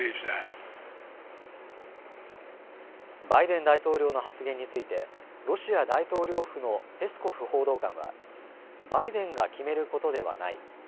バイデン大統領の発言についてロシア大統領府のペスコフ報道官はバイデンが決めることではない。